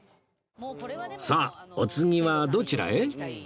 さあお次はどちらへ？